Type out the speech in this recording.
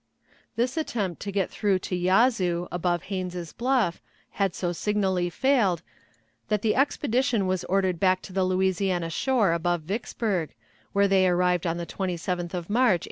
This attempt to get through to Yazoo, above Haines's Bluff, had so signally failed, that the expedition was ordered back to the Louisiana shore above Vicksburg, where they arrived on the 27th of March, 1863.